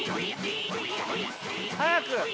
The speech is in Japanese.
早く！